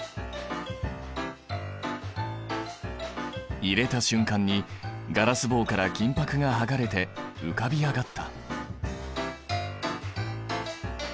入れた瞬間にガラス棒から金ぱくが剥がれて浮かび上がった。